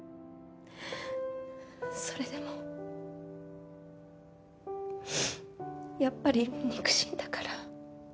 それでもやっぱり肉親だから。